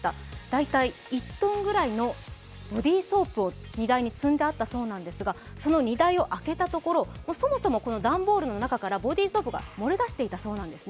大体１ｔぐらいのボディーソープを荷台に積んであったそうなんですが、その荷台を開けたところ、そもそもこの段ボールの中からボディーソープが漏れ出していたそうなんです。